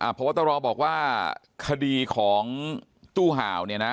พบตรบอกว่าคดีของตู้ห่าวเนี่ยนะ